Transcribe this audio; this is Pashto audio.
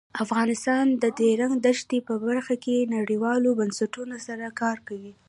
افغانستان د د ریګ دښتې په برخه کې نړیوالو بنسټونو سره کار کوي.